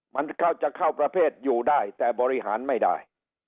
มันเข้าจะเข้าประเภทอยู่ได้แต่บริหารไม่ได้